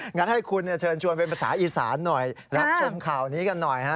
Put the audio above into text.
งั้นให้คุณเชิญชวนเป็นภาษาอีสานหน่อยรับชมข่าวนี้กันหน่อยฮะ